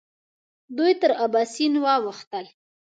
دوی تر اباسین واوښتل.